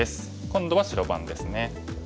今度は白番ですね。